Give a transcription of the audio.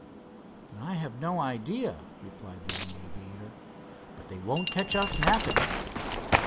"I have no idea," replied the young aviator. "But they won't catch us napping."